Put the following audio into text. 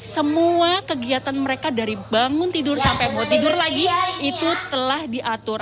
semua kegiatan mereka dari bangun tidur sampai mau tidur lagi itu telah diatur